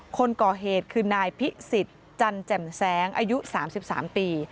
คนก่อเหตุคือนายพิสิทธิ์จันแจ่มแสงอายุ๓๓ปี